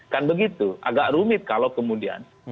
kan begitu agak rumit kalau kemudian